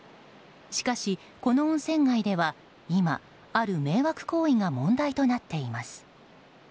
しかし、この温泉街では今ある迷惑行為が問題となっています。